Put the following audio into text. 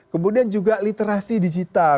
kemudian juga literasi digital